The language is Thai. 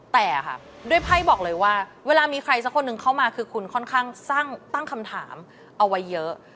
แต่ค่ะด้วยไพ่บอกเลยว่าเวลามีใครสักคนหนึ่งเข้ามาคือคุณค่อนข้างตั้งคำถามเอาไว้เยอะ